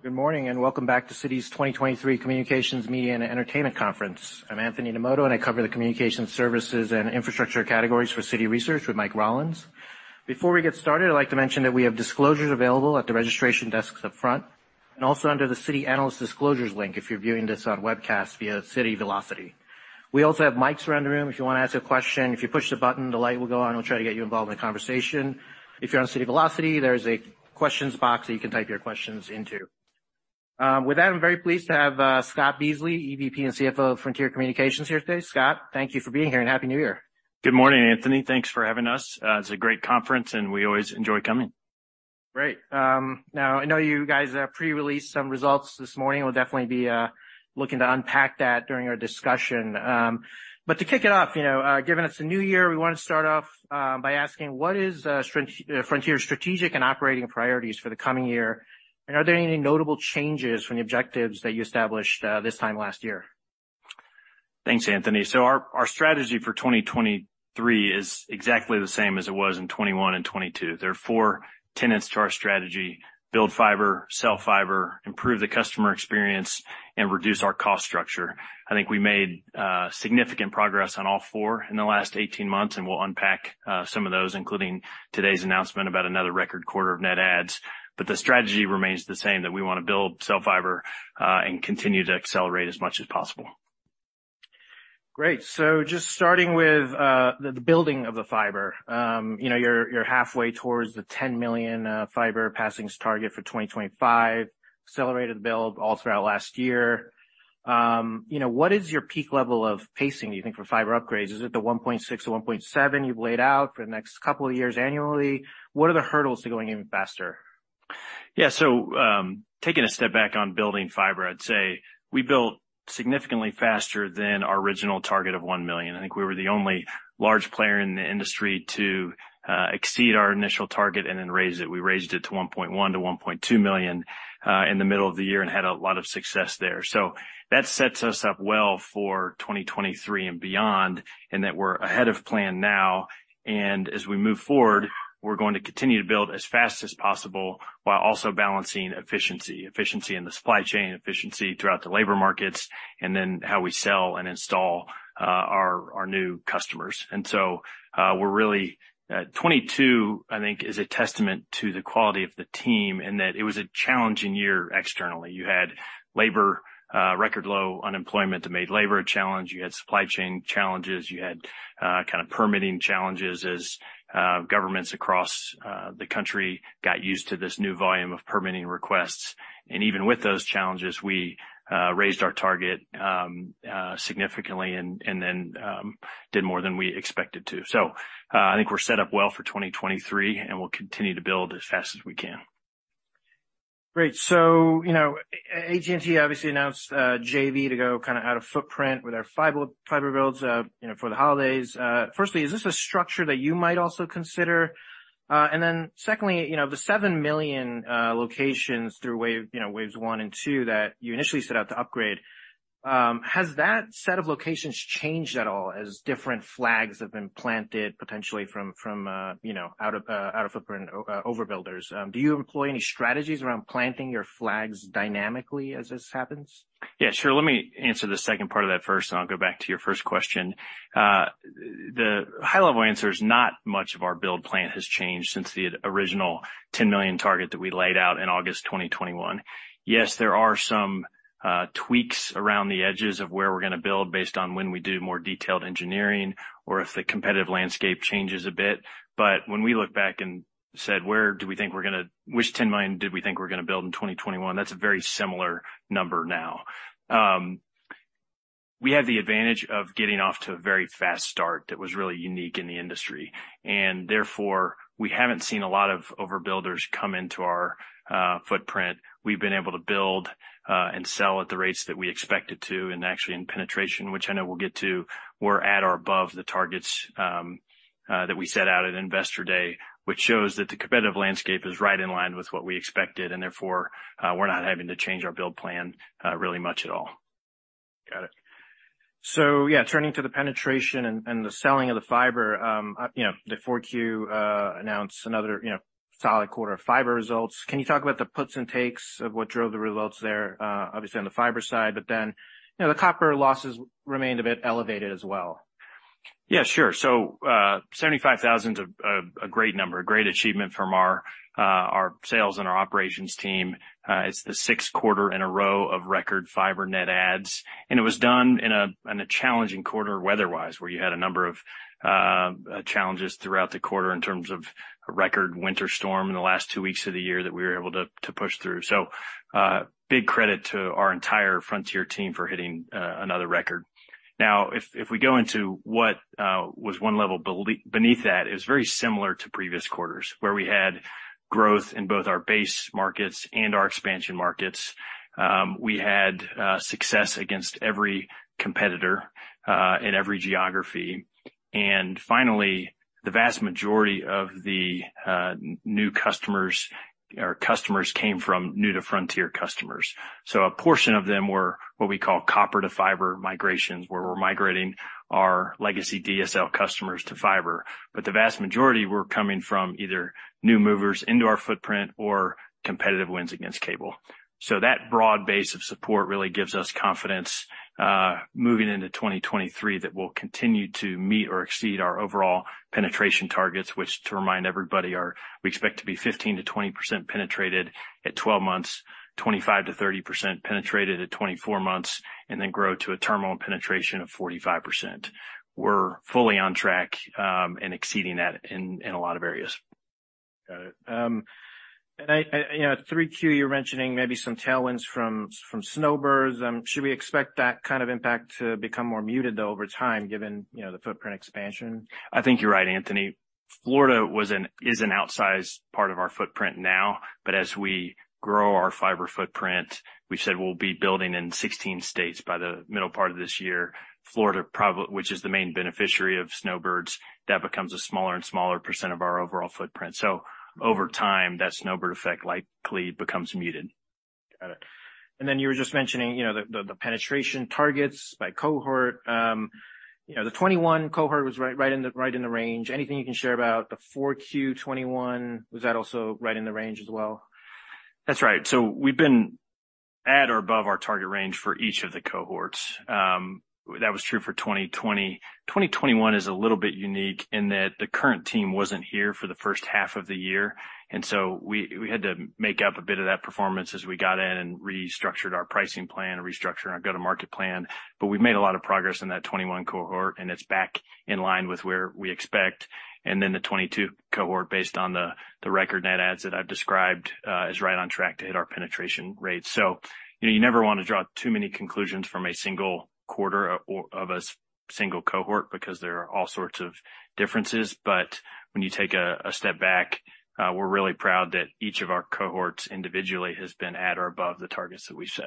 Good morning, and welcome back to Citi's 2023 Communications, Media, and Entertainment Conference. I'm Anthony Nemoto, I cover the communication services and infrastructure categories for Citi Research with Mike Rollins. Before we get started, I'd like to mention that we have disclosures available at the registration desks up front and also under the Citi Analyst disclosures link if you're viewing this on webcast via Citi Velocity. We also have mics around the room if you wanna ask a question. If you push the button, the light will go on. We'll try to get you involved in the conversation. If you're on Citi Velocity, there's a questions box that you can type your questions into. With that, I'm very pleased to have Scott Beasley, EVP and CFO of Frontier Communications Parent here today. Scott, thank you for being here, Happy New Year. Good morning, Anthony. Thanks for having us. It's a great conference. We always enjoy coming. Great. Now, I know you guys pre-released some results this morning. We'll definitely be looking to unpack that during our discussion. To kick it off, you know, given it's a new year, we wanna start off by asking what is Frontier's strategic and operating priorities for the coming year, and are there any notable changes from the objectives that you established this time last year? Thanks, Anthony. Our strategy for 2023 is exactly the same as it was in 2021 and 2022. There are four tenets to our strategy: build fiber, sell fiber, improve the customer experience, and reduce our cost structure. I think we made significant progress on all four in the last 18 months, and we'll unpack some of those, including today's announcement about another record quarter of net adds. The strategy remains the same, that we wanna build, sell fiber, and continue to accelerate as much as possible. Great. Just starting with the building of the fiber. you know, you're halfway towards the 10 million fiber passings target for 2025, accelerated the build all throughout last year. you know, what is your peak level of pacing, you think, for fiber upgrades? Is it the 1.6-1.7 you've laid out for the next couple of years annually? What are the hurdles to going even faster? Taking a step back on building fiber, I'd say we built significantly faster than our original target of 1 million. I think we were the only large player in the industry to exceed our initial target and then raise it. We raised it to 1.1 million to 1.2 million in the middle of the year and had a lot of success there. That sets us up well for 2023 and beyond, in that we're ahead of plan now. As we move forward, we're going to continue to build as fast as possible while also balancing efficiency in the supply chain, efficiency throughout the labor markets, and then how we sell and install our new customers. 2022, I think, is a testament to the quality of the team in that it was a challenging year externally. You had labor, record low unemployment that made labor a challenge. You had supply chain challenges. You had kind of permitting challenges as governments across the country got used to this new volume of permitting requests. Even with those challenges, we raised our target significantly and then, did more than we expected to. I think we're set up well for 2023, and we'll continue to build as fast as we can. Great. You know, AT&T obviously announced a JV to go kinda out of footprint with their fiber builds, you know, for the holidays. Firstly, is this a structure that you might also consider? Secondly, you know, the 7 million locations through you know, waves 1 and 2 that you initially set out to upgrade, has that set of locations changed at all as different flags have been planted potentially from, you know, out of footprint overbuilders? Do you employ any strategies around planting your flags dynamically as this happens? Yeah, sure. Let me answer the second part of that first, and I'll go back to your first question. The high level answer is not much of our build plan has changed since the original 10 million target that we laid out in August 2021. Yes, there are some tweaks around the edges of where we're gonna build based on when we do more detailed engineering or if the competitive landscape changes a bit. When we look back and said, where do we think we're gonna build, which 10 million did we think we're gonna build in 2021? That's a very similar number now. We have the advantage of getting off to a very fast start that was really unique in the industry, and therefore, we haven't seen a lot of overbuilders come into our footprint. We've been able to build, and sell at the rates that we expected to, and actually in penetration, which I know we'll get to, we're at or above the targets, that we set out at Investor Day, which shows that the competitive landscape is right in line with what we expected, and therefore, we're not having to change our build plan, really much at all. Got it. Turning to the penetration and the selling of the fiber, you know, the 4Q announced another, you know, solid quarter of fiber results. Can you talk about the puts and takes of what drove the results there, obviously on the fiber side, but then, you know, the copper losses remained a bit elevated as well. Yeah, sure. 75,000's a great number, a great achievement from our sales and our operations team. It's the sixth quarter in a row of record fiber net adds, and it was done in a challenging quarter weather-wise, where you had a number of challenges throughout the quarter in terms of a record winter storm in the last two weeks of the year that we were able to push through. Big credit to our entire Frontier team for hitting another record. If we go into what was one level beneath that, it was very similar to previous quarters, where we had growth in both our base markets and our expansion markets. We had success against every competitor in every geography. Finally, the vast majority of the customers came from new to Frontier customers. A portion of them were what we call copper-to-fiber migrations, where we're migrating our legacy DSL customers to fiber. The vast majority were coming from either new movers into our footprint or competitive wins against cable. That broad base of support really gives us confidence moving into 2023, that we'll continue to meet or exceed our overall penetration targets, which to remind everybody, we expect to be 15%-20% penetrated at 12 months, 25%-30% penetrated at 24 months, and then grow to a terminal penetration of 45%. We're fully on track and exceeding that in a lot of areas. Got it. you know, 3Q, you're mentioning maybe some tailwinds from snowbirds. should we expect that kind of impact to become more muted, though, over time, given, you know, the footprint expansion? I think you're right, Anthony. Florida is an outsized part of our footprint now, but as we grow our fiber footprint, we've said we'll be building in 16 states by the middle part of this year. Florida which is the main beneficiary of snowbirds, that becomes a smaller and smaller % of our overall footprint. Over time, that snowbird effect likely becomes muted. Got it. You were just mentioning, you know, the penetration targets by cohort. You know, the 21 cohort was right in the range. Anything you can share about the 4Q 21? Was that also right in the range as well? That's right. We've been at or above our target range for each of the cohorts. That was true for 2020. 2021 is a little bit unique in that the current team wasn't here for the first half of the year. We had to make up a bit of that performance as we got in and restructured our pricing plan and restructured our go-to market plan. We've made a lot of progress in that 2021 cohort, and it's back in line with where we expect. The 2022 cohort, based on the record net adds that I've described, is right on track to hit our penetration rates. You know, you never wanna draw too many conclusions from a single quarter or of a single cohort because there are all sorts of differences. When you take a step back, we're really proud that each of our cohorts individually has been at or above the targets that we set.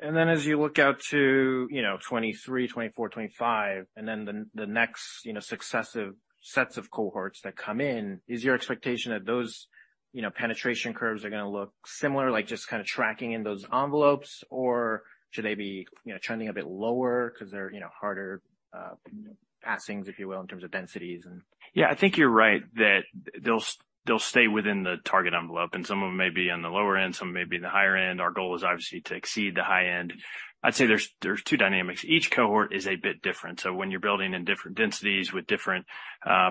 As you look out to, you know, 2023, 2024, 2025, and then the next, you know, successive sets of cohorts that come in, is your expectation that those, you know, penetration curves are gonna look similar, like just kinda tracking in those envelopes? Should they be, you know, trending a bit lower 'cause they're, you know, harder, passings, if you will, in terms of densities? Yeah, I think you're right that they'll stay within the target envelope, and some of them may be on the lower end, some may be in the higher end. Our goal is obviously to exceed the high end. I'd say there's two dynamics. Each cohort is a bit different. When you're building in different densities with different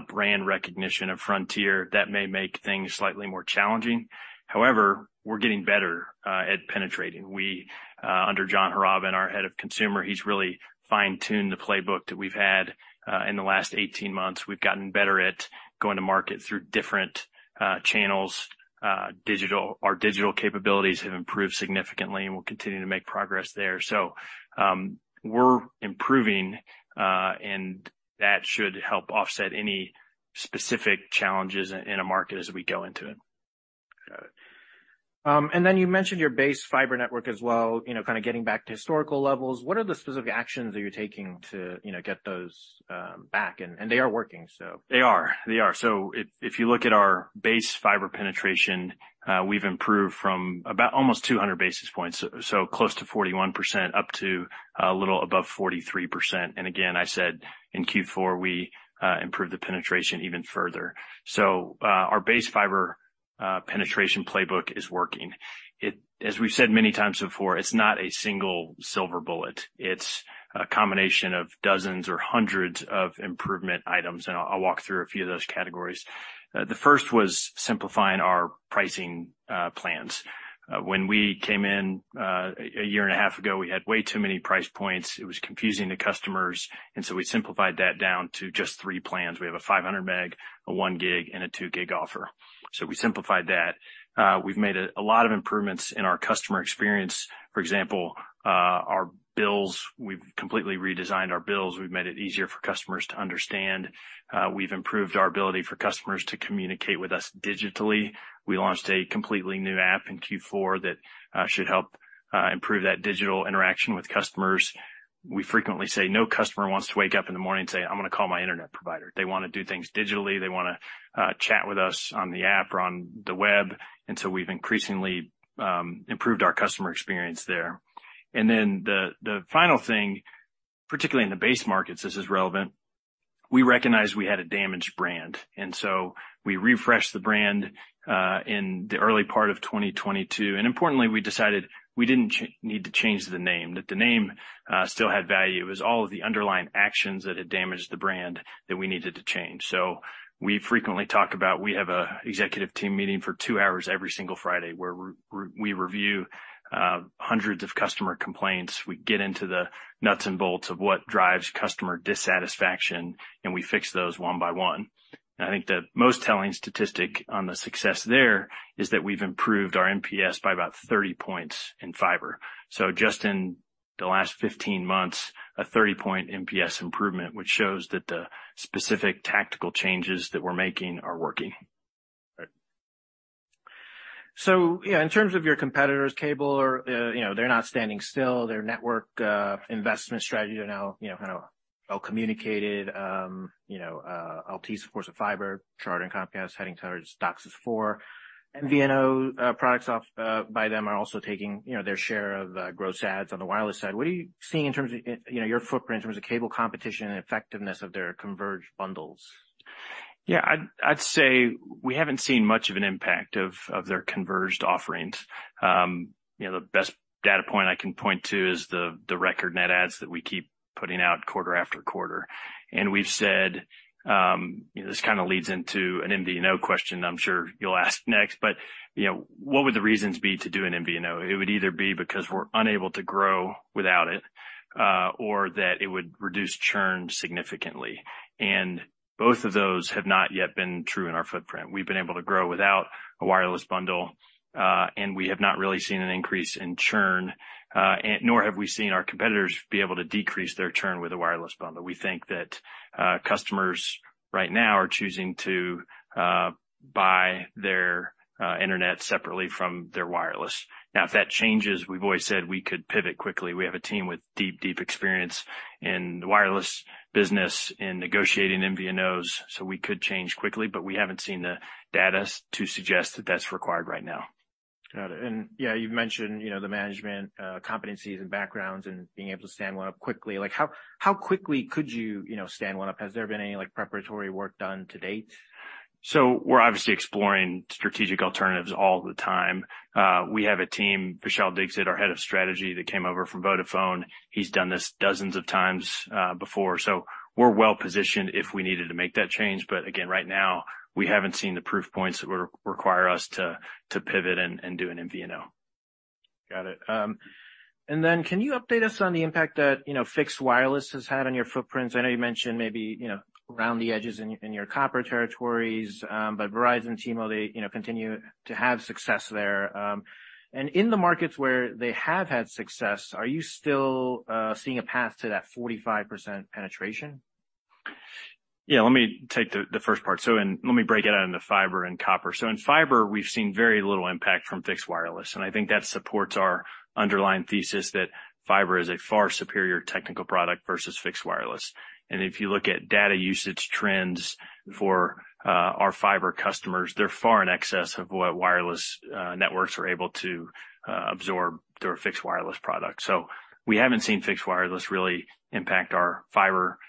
brand recognition of Frontier, that may make things slightly more challenging. However, we're getting better at penetrating. We under John Harrobin, our head of Consumer, he's really fine-tuned the playbook that we've had in the last 18 months. We've gotten better at going to market through different channels. Our digital capabilities have improved significantly, and we'll continue to make progress there. We're improving, and that should help offset any specific challenges in a market as we go into it. Got it. You mentioned your base fiber network as well, you know, kind of getting back to historical levels. What are the specific actions that you're taking to, you know, get those back? They are working, so. They are. If, if you look at our base fiber penetration, we've improved from about almost 200 basis points, so close to 41%, up to a little above 43%. Again, I said in Q4 we improved the penetration even further. Our base fiber penetration playbook is working. As we've said many times before, it's not a single silver bullet. It's a combination of dozens or hundreds of improvement items, and I'll walk through a few of those categories. The first was simplifying our pricing plans. When we came in, a year and a half ago, we had way too many price points. It was confusing to customers, we simplified that down to just three plans. We have a 500 Meg, a 1 Gig, and a 2 Gig offer. We simplified that. We've made a lot of improvements in our customer experience. For example, our bills, we've completely redesigned our bills. We've made it easier for customers to understand. We've improved our ability for customers to communicate with us digitally. We launched a completely new app in Q4 that should help improve that digital interaction with customers. We frequently say, no customer wants to wake up in the morning and say, "I'm gonna call my internet provider." They wanna do things digitally. They wanna chat with us on the app or on the web. We've increasingly improved our customer experience there. The final thing, particularly in the base markets, this is relevant, we recognized we had a damaged brand, and so we refreshed the brand in the early part of 2022. Importantly, we decided we didn't need to change the name, that the name still had value. It was all of the underlying actions that had damaged the brand that we needed to change. We frequently talk about, we have a executive team meeting for two hours every single Friday, where we review hundreds of customer complaints. We get into the nuts and bolts of what drives customer dissatisfaction, we fix those one by one. I think the most telling statistic on the success there is that we've improved our NPS by about 30 points in fiber. Just The last 15 months, a 30 point NPS improvement, which shows that the specific tactical changes that we're making are working. Right. Yeah, in terms of your competitors, Cable or, you know, they're not standing still. Their network investment strategy are now, you know, kind of well communicated. You know, Altice, of course, have fiber, Charter and Comcast heading towards DOCSIS 4.0. MVNO products by them are also taking, you know, their share of gross adds on the wireless side. What are you seeing in terms of, you know, your footprint in terms of Cable competition and effectiveness of their converged bundles? Yeah, I'd say we haven't seen much of an impact of their converged offerings. You know, the best data point I can point to is the record net adds that we keep putting out quarter after quarter. We've said, you know, this kind of leads into an MVNO question I'm sure you'll ask next, but, you know, what would the reasons be to do an MVNO? It would either be because we're unable to grow without it, or that it would reduce churn significantly. Both of those have not yet been true in our footprint. We've been able to grow without a wireless bundle, and we have not really seen an increase in churn, and nor have we seen our competitors be able to decrease their churn with a wireless bundle. We think that customers right now are choosing to buy their internet separately from their wireless. If that changes, we've always said we could pivot quickly. We have a team with deep experience in the wireless business, in negotiating MVNOs, so we could change quickly, but we haven't seen the data to suggest that that's required right now. Got it. Yeah, you've mentioned, you know, the management competencies and backgrounds and being able to stand one up quickly. Like, how quickly could you know, stand one up? Has there been any, like, preparatory work done to date? We're obviously exploring strategic alternatives all the time. We have a team, Vishal Dixit, our head of strategy, that came over from Vodafone. He's done this dozens of times before. We're well positioned if we needed to make that change. Again, right now, we haven't seen the proof points that would require us to pivot and do an MVNO. Got it. Can you update us on the impact that, you know, fixed wireless has had on your footprint? I know you mentioned maybe, you know, around the edges in your copper territories, but Verizon and T-Mobile, you know, continue to have success there. In the markets where they have had success, are you still seeing a path to that 45% penetration? Yeah, let me take the first part. Let me break it out into fiber and copper. In fiber, we've seen very little impact from fixed wireless, and I think that supports our underlying thesis that fiber is a far superior technical product versus fixed wireless. If you look at data usage trends for our fiber customers, they're far in excess of what wireless networks are able to absorb through a fixed wireless product. We haven't seen fixed wireless really impact our fiber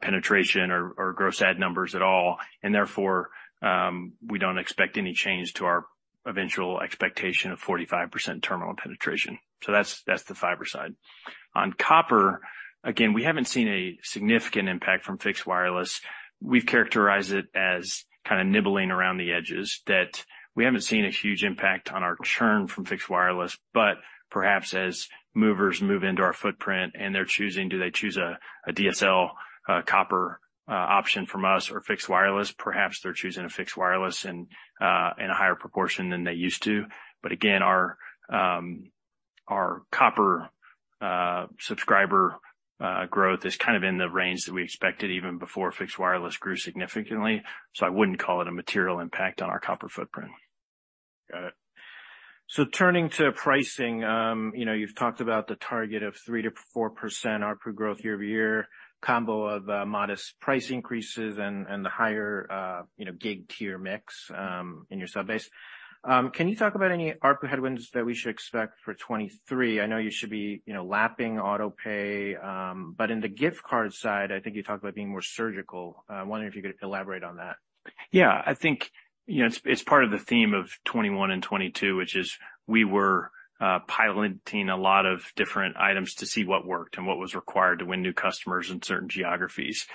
penetration or gross add numbers at all, and therefore, we don't expect any change to our eventual expectation of 45% terminal penetration. That's the fiber side. On copper, again, we haven't seen a significant impact from fixed wireless. We've characterized it as kind of nibbling around the edges, that we haven't seen a huge impact on our churn from fixed wireless. Perhaps as movers move into our footprint and they're choosing, do they choose a DSL, copper option from us or fixed wireless, perhaps they're choosing a fixed wireless and in a higher proportion than they used to. Again, our copper subscriber growth is kind of in the range that we expected even before fixed wireless grew significantly. I wouldn't call it a material impact on our copper footprint. Got it. Turning to pricing, you know, you've talked about the target of 3%-4% ARPU growth year-over-year, combo of modest price increases and the higher, you know, Gig tier mix, in your sub-base. Can you talk about any ARPU headwinds that we should expect for 2023? I know you should be, you know, lapping auto-pay, but in the gift card side, I think you talked about being more surgical. Wondering if you could elaborate on that? Yeah. I think, you know, it's part of the theme of 2021 and 2022, which is we were piloting a lot of different items to see what worked and what was required to win new customers in certain geographies.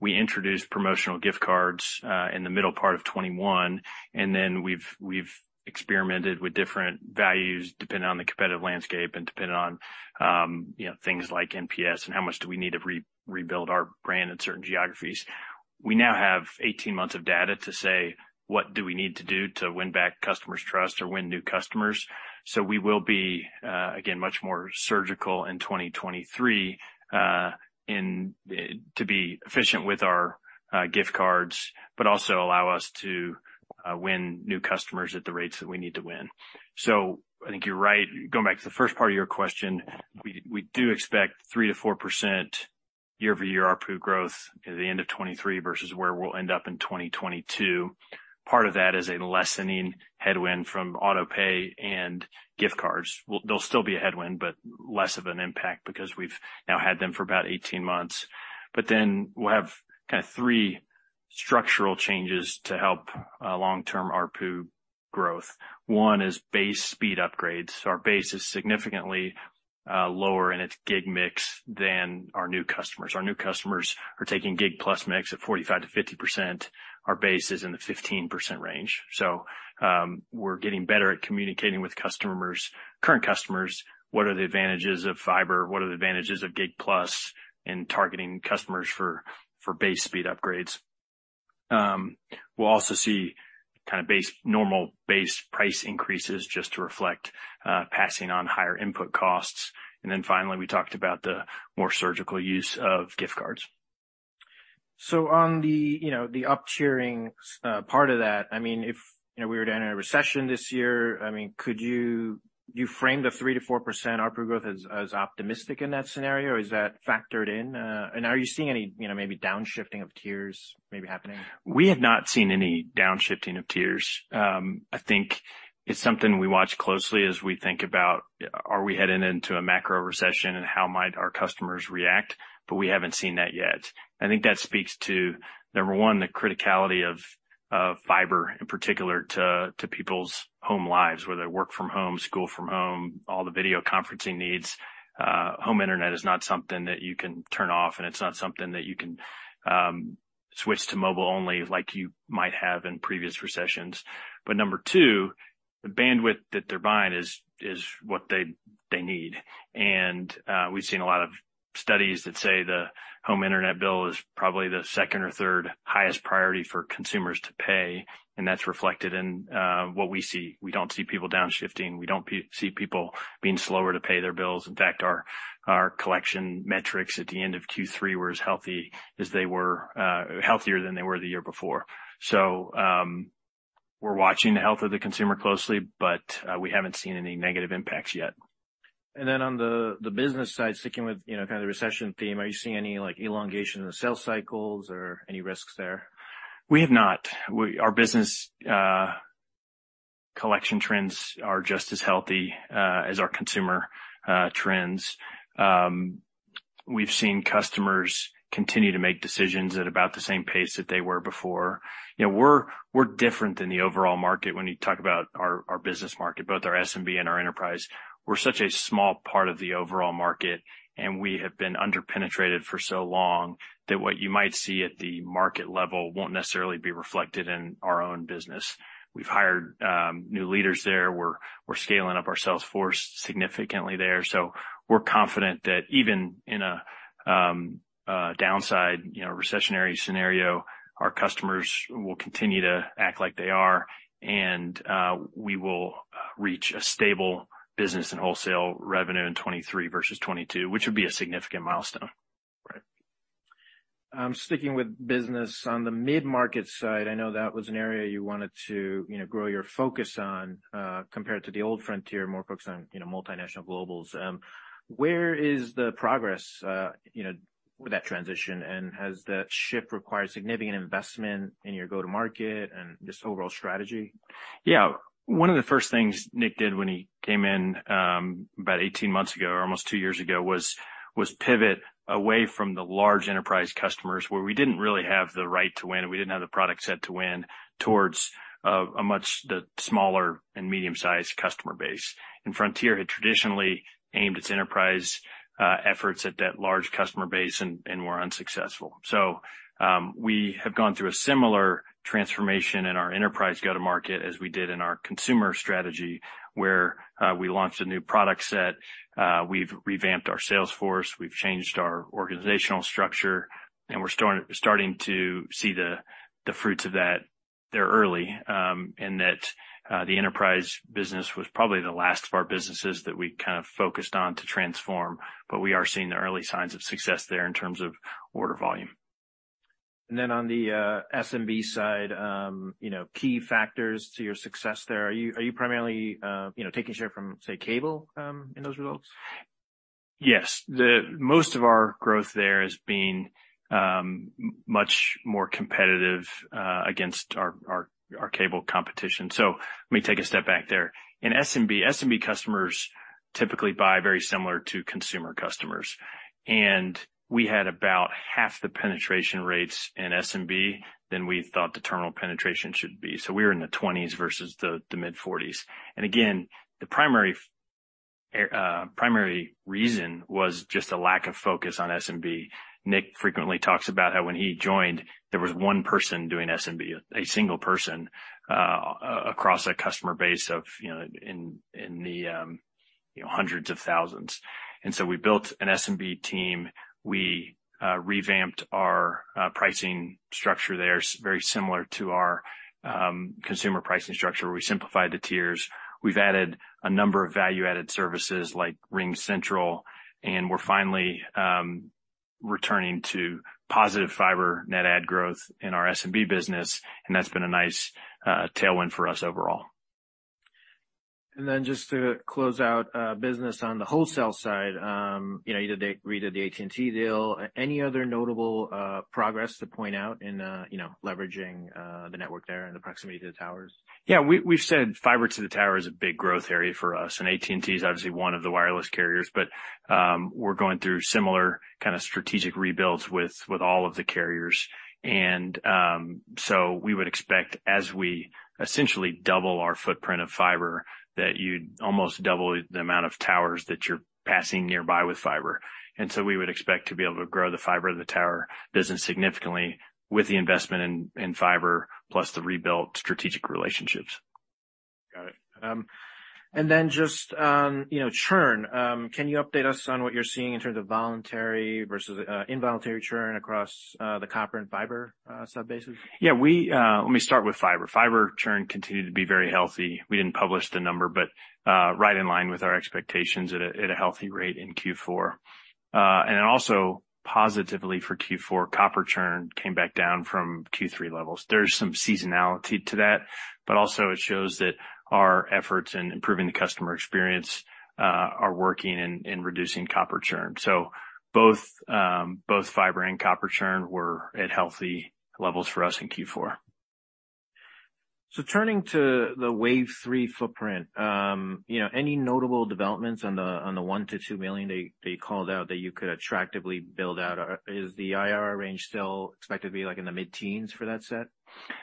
We introduced promotional gift cards in the middle part of 2021, and then we've experimented with different values depending on the competitive landscape and depending on, you know, things like NPS and how much do we need to rebuild our brand in certain geographies. We now have 18 months of data to say, what do we need to do to win back customers' trust or win new customers? We will be again, much more surgical in 2023, in to be efficient with our gift cards, but also allow us to win new customers at the rates that we need to win. I think you're right. Going back to the first part of your question, we do expect 3%-4% year-over-year ARPU growth at the end of 2023 versus where we'll end up in 2022. Part of that is a lessening headwind from auto-pay and gift cards. They'll still be a headwind, but less of an impact because we've now had them for about 18 months. Then we'll have kind of 3 structural changes to help long-term ARPU growth. One is base speed upgrades. Our base is significantly lower in its Gig mix than our new customers. Our new customers are taking Gig-plus mix at 45%-50%. Our base is in the 15% range. We're getting better at communicating with customers, current customers, what are the advantages of fiber, what are the advantages of Gig plus, and targeting customers for base speed upgrades. We'll also see kind of normal base price increases just to reflect passing on higher input costs. Finally, we talked about the more surgical use of gift cards. On the, you know, the uptiering part of that, I mean, if, you know, we were to enter a recession this year, I mean, do you frame the 3%-4% ARPU growth as optimistic in that scenario, or is that factored in, and are you seeing any, you know, maybe downshifting of tiers maybe happening? We have not seen any downshifting of tiers. I think it's something we watch closely as we think about are we heading into a macro recession and how might our customers react, but we haven't seen that yet. I think that speaks to, number one, the criticality of fiber in particular to people's home lives, whether they work from home, school from home, all the video conferencing needs. Home internet is not something that you can turn off, and it's not something that you can switch to mobile only like you might have in previous recessions. Number two, the bandwidth that they're buying is what they need. We've seen a lot of studies that say the home internet bill is probably the second or third highest priority for consumers to pay, and that's reflected in what we see. We don't see people downshifting. We don't see people being slower to pay their bills. In fact, our collection metrics at the end of Q3 were as healthy as they were healthier than they were the year before. We're watching the health of the consumer closely, but we haven't seen any negative impacts yet. Then on the business side, sticking with, you know, kind of the recession theme, are you seeing any, like, elongation in the sales cycles or any risks there? We have not. Our business, collection trends are just as healthy as our consumer trends. We've seen customers continue to make decisions at about the same pace that they were before. You know, we're different than the overall market when you talk about our business market, both our SMB and our enterprise. We're such a small part of the overall market, and we have been under-penetrated for so long that what you might see at the market level won't necessarily be reflected in our own business. We've hired new leaders there. We're scaling up our sales force significantly there. We're confident that even in a downside, you know, recessionary scenario, our customers will continue to act like they are and we will reach a stable business and wholesale revenue in 2023 versus 2022, which would be a significant milestone. Right. Sticking with business, on the mid-market side, I know that was an area you wanted to, you know, grow your focus on, compared to the old Frontier, more focused on, you know, multinational globals. Where is the progress, you know, with that transition? And has that shift required significant investment in your go-to-market and just overall strategy? Yeah. One of the first things Nick did when he came in, about 18 months ago, or almost two years ago, was pivot away from the large enterprise customers where we didn't really have the right to win, and we didn't have the product set to win towards a much, the smaller and medium-sized customer base. Frontier had traditionally aimed its enterprise efforts at that large customer base and were unsuccessful. We have gone through a similar transformation in our enterprise go-to-market as we did in our consumer strategy, where we launched a new product set, we've revamped our sales force, we've changed our organizational structure, and we're starting to see the fruits of that there early, in that the enterprise business was probably the last of our businesses that we kind of focused on to transform, but we are seeing the early signs of success there in terms of order volume. On the SMB side, you know, key factors to your success there, are you, are you primarily, you know, taking share from, say, cable, in those results? Yes. Most of our growth there has been much more competitive against our, our cable competition. Let me take a step back there. In SMB customers typically buy very similar to consumer customers. We had about half the penetration rates in SMB than we thought the terminal penetration should be. We were in the 20s versus the mid-40s. Again, the primary reason was just a lack of focus on SMB. Nick frequently talks about how when he joined, there was 1 person doing SMB, a single person across a customer base of, you know, in the, you know, hundreds of thousands. We built an SMB team. We revamped our pricing structure there, very similar to our consumer pricing structure, where we simplified the tiers. We've added a number of value-added services like RingCentral, and we're finally returning to positive fiber net add growth in our SMB business, and that's been a nice tailwind for us overall. Just to close out, business on the wholesale side, you know, you redid the AT&T deal. Any other notable progress to point out in, you know, leveraging the network there and the proximity to the towers? We've said fiber to the tower is a big growth area for us, and AT&T is obviously one of the wireless carriers. We're going through similar kind of strategic rebuilds with all of the carriers. We would expect as we essentially double our footprint of fiber, that you'd almost double the amount of towers that you're passing nearby with fiber. We would expect to be able to grow the fiber to the tower business significantly with the investment in fiber plus the rebuilt strategic relationships. Got it. Just, you know, churn. Can you update us on what you're seeing in terms of voluntary versus involuntary churn across the copper and fiber sub-basis? Yeah, we... Let me start with fiber. Fiber churn continued to be very healthy. We didn't publish the number, but, right in line with our expectations at a healthy rate in Q4. Also positively for Q4, copper churn came back down from Q3 levels. There's some seasonality to that, but also it shows that our efforts in improving the customer experience, are working in reducing copper churn. Both fiber and copper churn were at healthy levels for us in Q4. Turning to the Wave 3 footprint, you know, any notable developments on the, on the $1 million-$2 million they called out that you could attractively build out? Is the IRR range still expected to be like in the mid-teens for that set?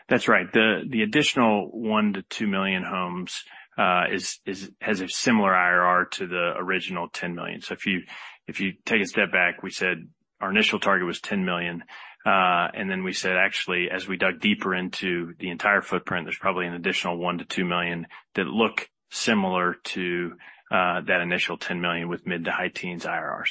That's right. The additional 1 million to 2 million homes has a similar IRR to the original 10 million. If you, if you take a step back, we said our initial target was 10 million. We said, actually, as we dug deeper into the entire footprint, there's probably an additional 1 million to 2 million that look similar to that initial 10 million with mid-to-high teens IRRs.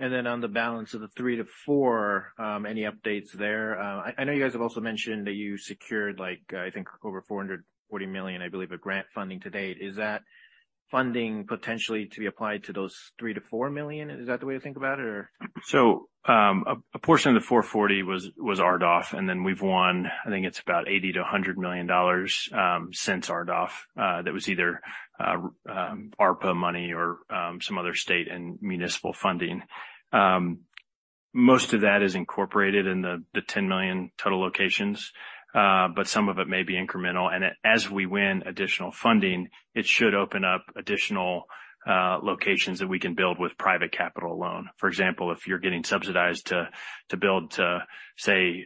On the balance of the 3 million-4 million, any updates there? I know you guys have also mentioned that you secured like, I think, over $440 million, I believe, of grant funding to date. Is that funding potentially to be applied to those 3 million-4 million? Is that the way to think about it or? A portion of the 440 was RDOF, and then we've won, I think it's about $80 million-$100 million since RDOF, that was either ARPA money or some other state and municipal funding. Most of that is incorporated in the 10 million total locations, but some of it may be incremental. As we win additional funding, it should open up additional locations that we can build with private capital alone. For example, if you're getting subsidized to build to, say,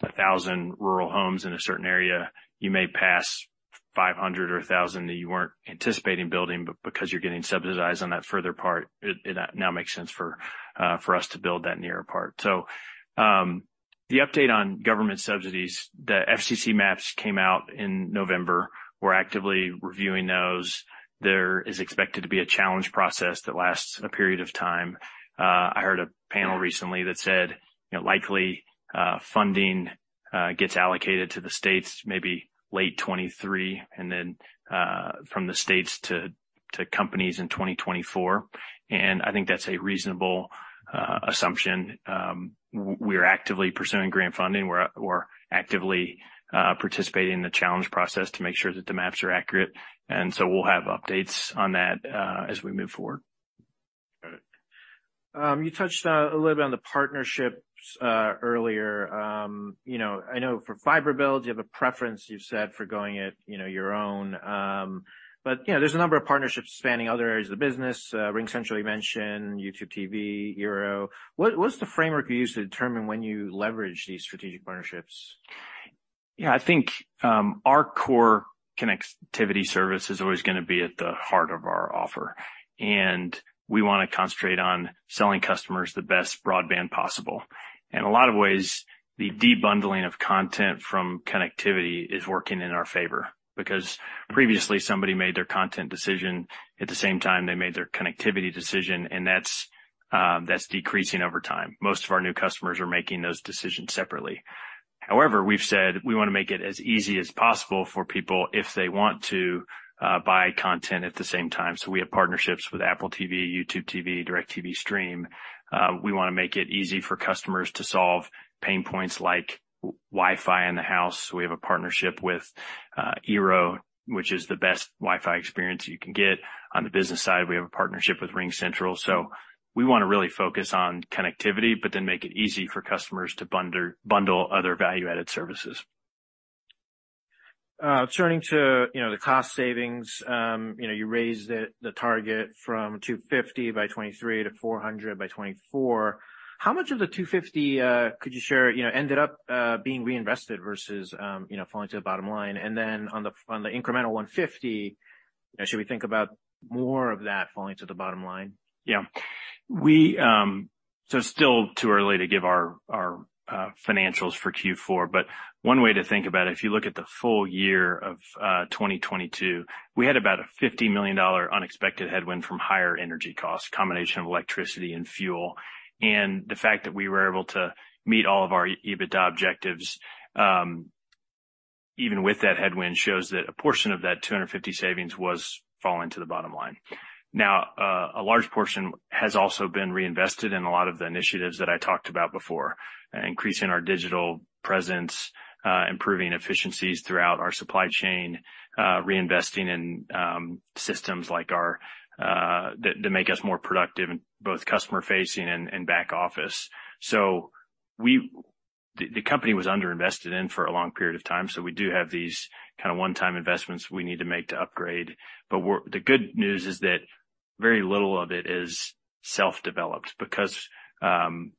1,000 rural homes in a certain area, you may pass 500 or 1,000 that you weren't anticipating building, but because you're getting subsidized on that further part, it now makes sense for us to build that nearer part. The update on government subsidies, the FCC maps came out in November. We're actively reviewing those. There is expected to be a challenge process that lasts a period of time. I heard a panel recently that said, you know, likely funding gets allocated to the states maybe late 2023 and then from the states to companies in 2024. I think that's a reasonable assumption. We're actively pursuing grant funding. We're actively participating in the challenge process to make sure that the maps are accurate. We'll have updates on that as we move forward. Got it. You touched a little bit on the partnerships earlier. You know, I know for fiber builds, you have a preference you've set for going it, you know, your own. You know, there's a number of partnerships spanning other areas of the business. RingCentral you mentioned, YouTube TV, eero. What, what's the framework you use to determine when you leverage these strategic partnerships? I think, our core connectivity service is always gonna be at the heart of our offer. We wanna concentrate on selling customers the best broadband possible. In a lot of ways, the debundling of content from connectivity is working in our favor because previously, somebody made their content decision at the same time they made their connectivity decision, and that's decreasing over time. Most of our new customers are making those decisions separately. We've said we wanna make it as easy as possible for people if they want to buy content at the same time. We have partnerships with Apple TV, YouTube TV, DirecTV Stream. We wanna make it easy for customers to solve pain points like Wi-Fi in the house. We have a partnership with eero, which is the best Wi-Fi experience you can get. On the business side, we have a partnership with RingCentral. We wanna really focus on connectivity, but then make it easy for customers to bundle other value-added services. Turning to, you know, the cost savings, you know, you raised it, the target from $250 million by 2023 to $400 million by 2024. How much of the $250 million could you share, you know, ended up being reinvested versus, you know, falling to the bottom line? On the incremental $150 million, should we think about more of that falling to the bottom line? It's still too early to give our financials for Q4, but one way to think about it, if you look at the full year of 2022, we had about a $50 million unexpected headwind from higher energy costs, combination of electricity and fuel. The fact that we were able to meet all of our EBITDA objectives, even with that headwind, shows that a portion of that $250 savings was falling to the bottom line. A large portion has also been reinvested in a lot of the initiatives that I talked about before, increasing our digital presence, improving efficiencies throughout our supply chain, reinvesting in systems like our that make us more productive in both customer-facing and back-office. The company was underinvested in for a long period of time, so we do have these kinda one-time investments we need to make to upgrade. The good news is that very little of it is self-developed. Because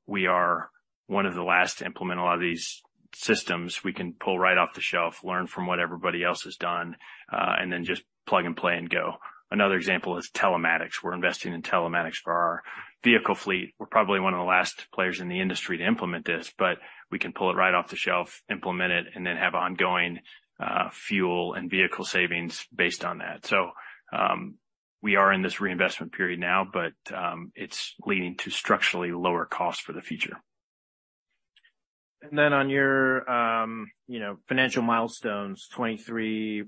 we are one of the last to implement a lot of these systems, we can pull right off the shelf, learn from what everybody else has done, and then just plug and play and go. Another example is telematics. We're investing in telematics for our vehicle fleet. We're probably one of the last players in the industry to implement this, but we can pull it right off the shelf, implement it, and then have ongoing fuel and vehicle savings based on that. We are in this reinvestment period now, but it's leading to structurally lower costs for the future. On your, you know, financial milestones, 2023,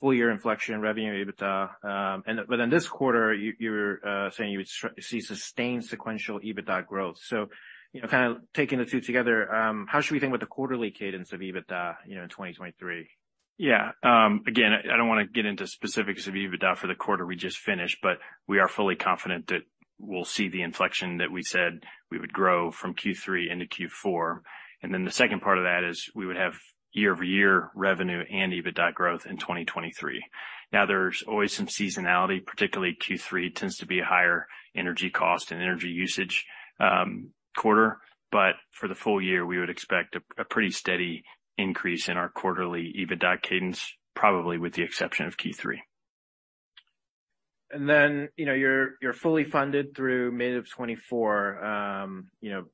full year inflection revenue EBITDA. This quarter, you're saying you would see sustained sequential EBITDA growth. You know, kind of taking the two together, how should we think about the quarterly cadence of EBITDA, you know, in 2023? Yeah. Again, I don't wanna get into specifics of EBITDA for the quarter we just finished, but we are fully confident that we'll see the inflection that we said we would grow from Q3 into Q4. The second part of that is we would have year-over-year revenue and EBITDA growth in 2023. There's always some seasonality, particularly Q3 tends to be a higher energy cost and energy usage, quarter. For the full year, we would expect a pretty steady increase in our quarterly EBITDA cadence, probably with the exception of Q3. You know, you're fully funded through mid-2024, you know,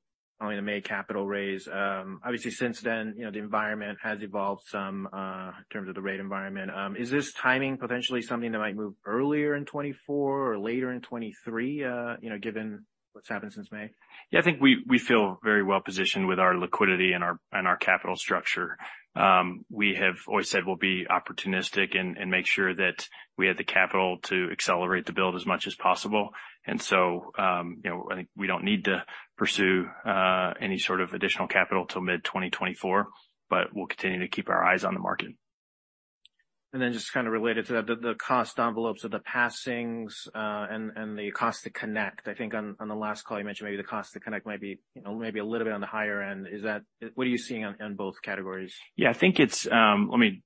following the May capital raise. Obviously since then, you know, the environment has evolved some in terms of the rate environment. Is this timing potentially something that might move earlier in 2024 or later in 2023, you know, given what's happened since May? Yeah, I think we feel very well positioned with our liquidity and our capital structure. We have always said we'll be opportunistic and make sure that we have the capital to accelerate the build as much as possible. You know, I think we don't need to pursue any sort of additional capital till mid-2024, but we'll continue to keep our eyes on the market. Just kind of related to that, the cost envelopes of the passings, and the cost to connect. I think on the last call you mentioned maybe the cost to connect might be, you know, maybe a little bit on the higher end. What are you seeing on both categories? Yeah, I think it's. Let me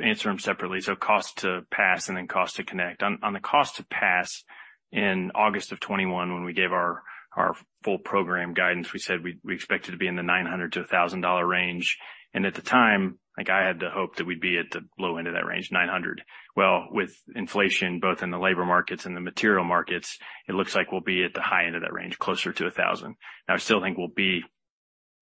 answer them separately. Cost to pass and then cost to connect. On the cost to pass, in August of 2021, when we gave our full program guidance, we said we expected to be in the $900-$1,000 range. At the time, like I had the hope that we'd be at the low end of that range, $900. With inflation both in the labor markets and the material markets, it looks like we'll be at the high end of that range, closer to $1,000. I still think we'll be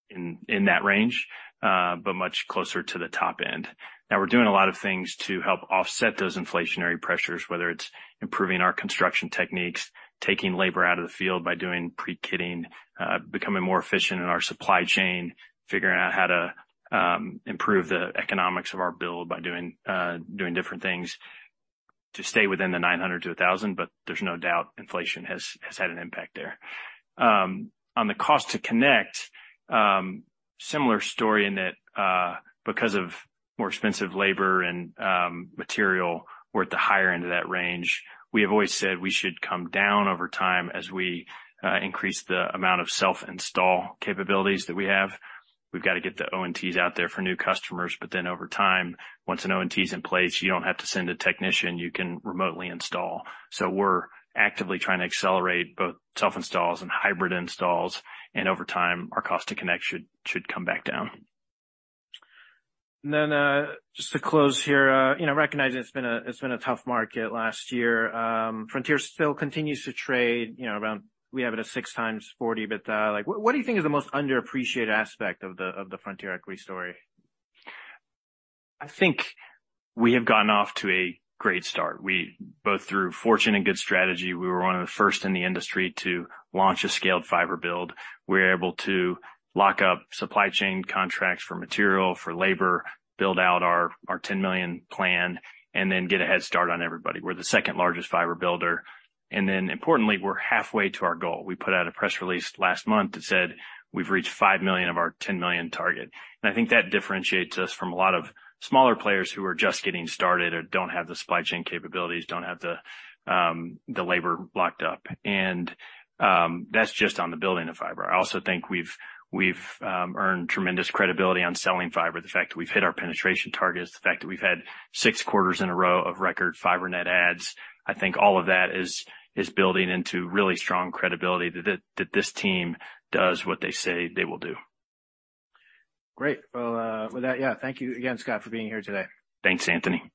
in that range, but much closer to the top end. We're doing a lot of things to help offset those inflationary pressures, whether it's improving our construction techniques, taking labor out of the field by doing pre-kitting, becoming more efficient in our supply chain, figuring out how to improve the economics of our build by doing different things to stay within the $900-$1,000. There's no doubt inflation has had an impact there. On the cost to connect, similar story in that because of more expensive labor and material, we're at the higher end of that range. We have always said we should come down over time as we increase the amount of self-install capabilities that we have. We've got to get the ONTs out there for new customers. Over time, once an ONT is in place, you don't have to send a technician, you can remotely install. We're actively trying to accelerate both self-installs and hybrid installs, and over time, our cost to connect should come back down. Just to close here, you know, recognizing it's been a, it's been a tough market last year, Frontier still continues to trade, you know, around we have it at 6 times forward EBITDA. Like what do you think is the most underappreciated aspect of the, of the Frontier equity story? I think we have gotten off to a great start. We both through fortune and good strategy, we were one of the first in the industry to launch a scaled fiber build. We're able to lock up supply chain contracts for material, for labor, build out our 10 million plan. Then get a head start on everybody. We're the second largest fiber builder. Importantly, we're halfway to our goal. We put out a press release last month that said we've reached 5 million of our 10 million target. I think that differentiates us from a lot of smaller players who are just getting started or don't have the supply chain capabilities, don't have the labor locked up. That's just on the building of fiber. I also think we've earned tremendous credibility on selling fiber. The fact that we've hit our penetration targets, the fact that we've had six quarters in a row of record fiber net adds, I think all of that is building into really strong credibility that this team does what they say they will do. Great. Well, with that, yeah, thank you again, Scott, for being here today. Thanks, Anthony.